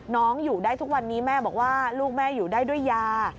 อยู่ได้ทุกวันนี้แม่บอกว่าลูกแม่อยู่ได้ด้วยยา